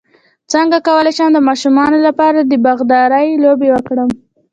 څنګه کولی شم د ماشومانو لپاره د باغدارۍ لوبې وکړم